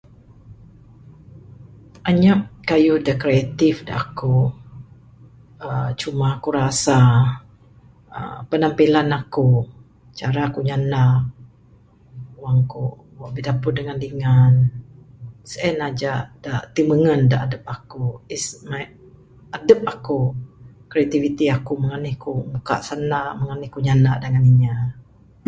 Anyap kayuh da kreatif da akuk. uhh Cuma kuk rasa uhh penampilan akuk, cara kuk nyandak wang kuk bidapud dengan dingan. Sien ajak dak timungen da adup akuk. Is my, adup akuk, kreativiti akuk, mung anih kuk mukak sanda', mung anih kuk nyanda dengan inya.